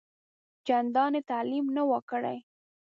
چنداني تعلیم نه وو کړی.